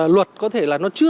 luật có thể là nó chưa